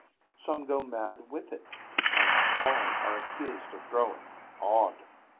Some go mad with it, and all are accused of growing odd.